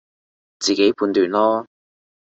自己判斷囉